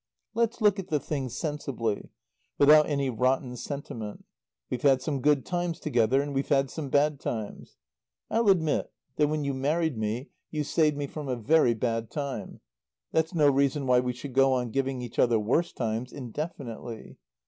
"Let's look at the thing sensibly, without any rotten sentiment. We've had some good times together, and we've had some bad times. I'll admit that when you married me you saved me from a very bad time. That's no reason why we should go on giving each other worse times indefinitely.